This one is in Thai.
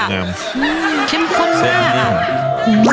เข้มข้นมาก